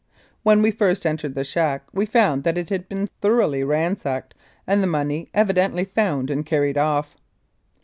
When we first entered the shack we found that it had been thoroughly ransacked and the money evidently found and carried off.